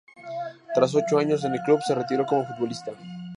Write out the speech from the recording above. Tras ocho años en el club, se retiró como futbolista.